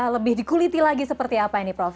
lebih dikuliti lagi seperti apa ini prof